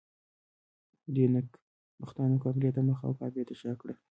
خو دې نېکبختانو کامرې ته مخ او کعبې ته شا کړه.